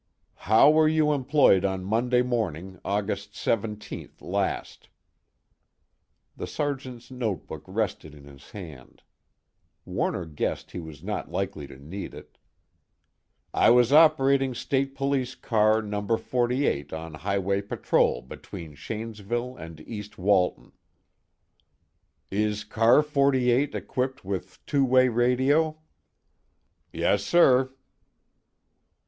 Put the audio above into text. "How were you employed on Monday morning, August 17th last?" The Sergeant's notebook rested in his hand; Warner guessed he was not likely to need it. "I was operating State Police Car No. 48 on highway patrol between Shanesville and East Walton." "Is Car 48 equipped with two way radio?" "Yes, sir."